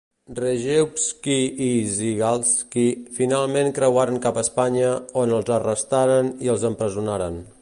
Rejewski i Zygalski finalment creuaren cap a Espanya, on els arrestaren i els empresonaren.